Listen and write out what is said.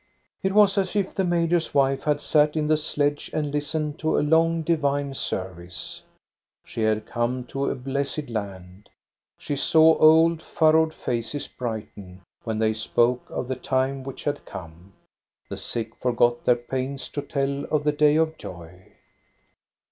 It was as if the major s wife had sat in the sledge and listened to a long divine service. She had come to a blessed land. She saw old, furrowed faces brighten, when they spoke of the time which had come. The sick forgot their pains to tell of the day of joy.